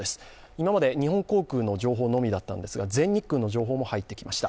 今まで、日本航空の情報のみだったんですが全日空の情報も入ってきました。